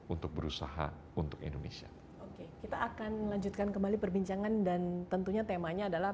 untuk berusaha untuk indonesia oke kita akan lanjutkan kembali perbincangan dan tentunya temanya adalah